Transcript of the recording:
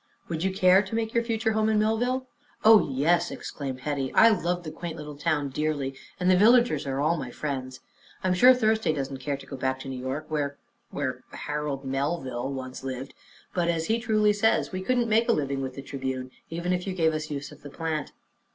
"Would you care to make your future home in Millville?" "Oh, yes!" exclaimed Hetty. "I love the quaint little town dearly, and the villagers are all my friends. I'm sure Thursday doesn't care to go back to New York, where where Harold Melville once lived. But, as he truly says, we couldn't make a living with the Tribune, even if you gave us the use of the plant."